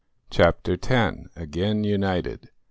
CHAPTER TEN. AGAIN UNITED.